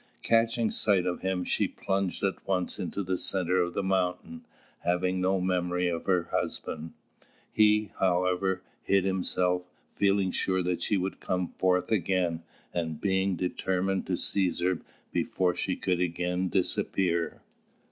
Catching sight of him, she plunged at once into the centre of the mountain, having no memory of her husband. He, however, hid himself, feeling sure that she would come forth again, and being determined to seize her before she could again disappear.